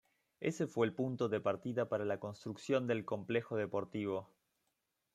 Ese fue el punto de partida para la construcción del complejo deportivo.